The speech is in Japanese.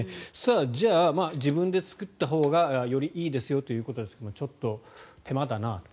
じゃあ、自分で作ったほうがよりいいですよということですがちょっと手間だなと。